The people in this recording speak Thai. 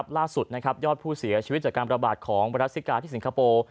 ล่าสุดยอดผู้เสียชีวิตจากการประบาดของไวรัสซิกาที่สิงคโปร์